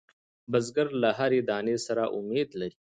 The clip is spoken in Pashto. بزګر له هر دانې سره امید لري